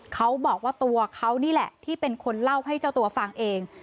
เขาบอกว่าตัวเขานี่แหละที่เป็นคนเล่าให้เจ้าตัวฟังเอง